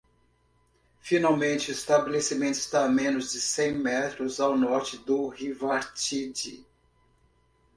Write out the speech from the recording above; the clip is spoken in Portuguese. Finalmente, o estabelecimento está a menos de cem metros ao norte do Revardit.